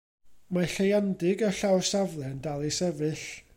Mae lleiandy gerllaw'r safle yn dal i sefyll.